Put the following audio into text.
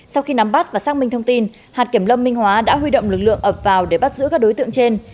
sau khi nắm bắt và xác minh thông tin hạt kiểm lâm minh hóa đã huy động lực lượng ập vào để bắt giữ các đối tượng trên